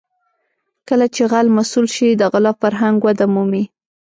کله چې غل مسوول شي د غلا فرهنګ وده مومي.